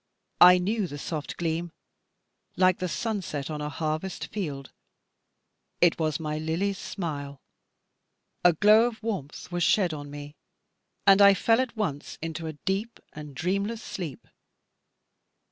I knew the soft gleam like the sunset on a harvest field. It was my Lily's smile. A glow of warmth was shed on me, and I fell at once into a deep and dreamless sleep.